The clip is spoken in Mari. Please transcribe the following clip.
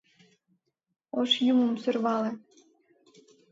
— Ош Юмым сӧрвалем.